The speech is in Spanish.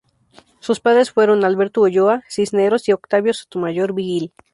Sus padres fueron Alberto Ulloa Cisneros y Octavia Sotomayor Vigil.